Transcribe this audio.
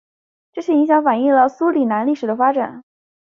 这些影响反映了苏里南历史的发展。